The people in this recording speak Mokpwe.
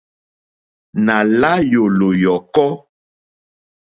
Nà la yòlò yɔ̀kɔ.